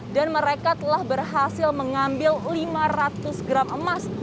dan mereka telah berhasil mengambil lima ratus gram emas